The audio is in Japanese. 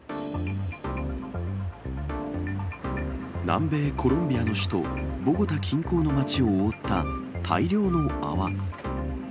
南米コロンビアの首都ボゴタ近郊の町を覆った大量の泡。